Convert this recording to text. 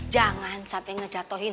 jangan sampai ngejatohin